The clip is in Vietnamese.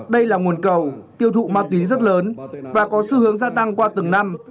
đây là nguồn cầu tiêu thụ ma túy rất lớn và có xu hướng gia tăng qua từng năm